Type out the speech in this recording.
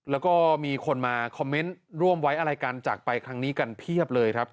แล้วก็มีคนมาคอมเมนต์ร่วมไว้อะไรกันจากไปครั้งนี้กันเพียบเลยครับ